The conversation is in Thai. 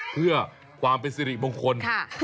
เพื่อความเป็นสิริมงคล